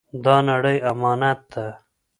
دا نړۍ امانت ده.